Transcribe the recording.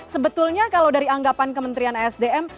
sebetulnya kalau dari anggapan kementerian esdm